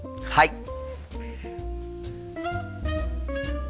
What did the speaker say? はい。